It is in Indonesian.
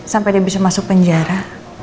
sampai dia bisa masuk penjara